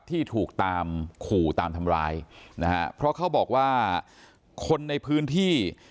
ที่ถูกตามขู่ตามทำร้ายนะฮะเพราะเขาบอกว่าคนในพื้นที่